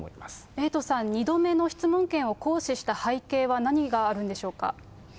エイトさん、２度目の質問権を行使した背景は何があるんでしょうか。